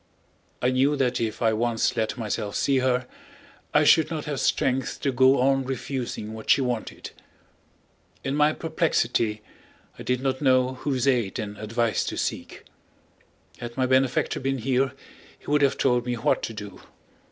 I knew that if I once let myself see her I should not have strength to go on refusing what she wanted. In my perplexity I did not know whose aid and advice to seek. Had my benefactor been here he would have told me what to do.